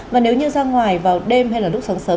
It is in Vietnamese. và nếu như ra ngoài vào đêm hay là lúc sáng sớm